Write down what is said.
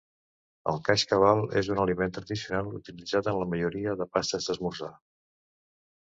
El kashkaval és un aliment tradicional utilitzat en la majoria de pastes d'esmorzar.